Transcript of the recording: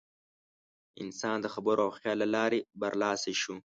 انسان د خبرو او خیال له لارې برلاسی شو.